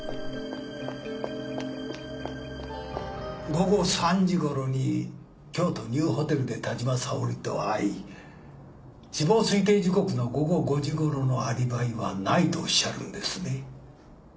午後３時ごろに京都ニューホテルで田島沙織と会い死亡推定時刻の午後５時ごろのアリバイはないとおっしゃるんですね？